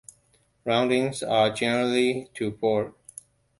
Roundings are generally to Port.